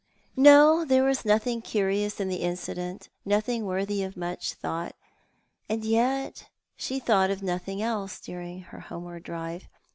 No, there was nothing curious in the incident, nothing worthy of much thought ; and yet she tliought of notliing else during her homeward drive.